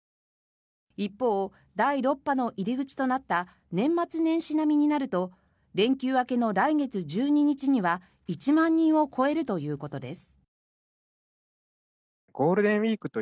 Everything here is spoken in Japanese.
一方、第６波の入り口となった年末年始並みになると連休明けの来月１２日には１万人を超えるということです。